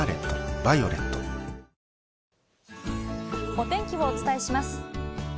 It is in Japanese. お天気をお伝えします。